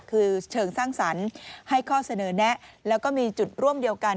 คือเชิงสร้างสรรค์ให้ข้อเสนอแนะแล้วก็มีจุดร่วมเดียวกัน